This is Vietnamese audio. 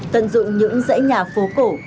tận dụng những dãy nhà phố cổ